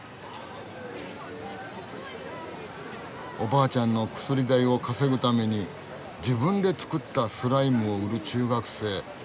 おばあちゃんの薬代を稼ぐために自分で作ったスライムを売る中学生。